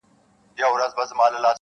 o يوه برخه چوپه بله غوسه تل,